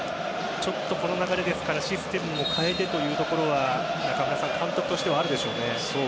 この流れですからシステムも変えるということも中村さん、監督としてはあるでしょうね。